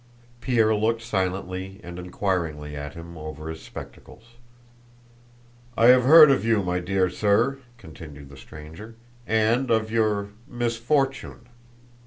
Pierre looked silently and inquiringly at him over his spectacles. "I have heard of you, my dear sir," continued the stranger, "and of your misfortune."